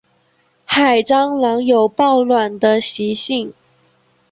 海蟑螂有抱卵的习性。